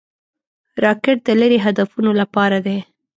راکټ د لیرې هدفونو لپاره دی